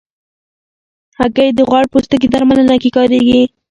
هګۍ د غوړ پوستکي درملنه کې کارېږي.